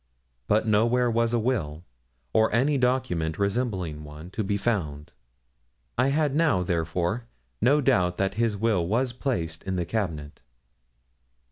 But nowhere was a will, or any document resembling one, to be found. I had now, therefore, no doubt that his will was placed in the cabinet.